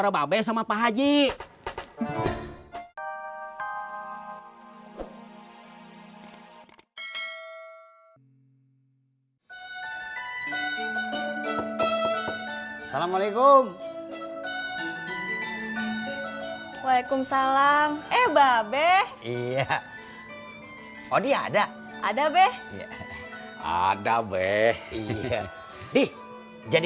bapak sama pak haji assalamualaikum waalaikumsalam eh babe iya oh dia ada ada be ada be iya nih jadi